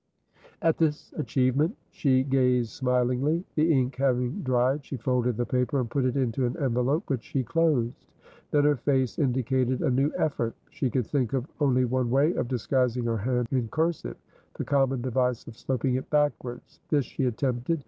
At this achievement she gazed smilingly. The ink having dried, she folded the paper, and put it into an envelope, which she closed. Then her face indicated a new effort. She could think of only one way of disguising her hand in cursivethe common device of sloping it backwards. This she attempted.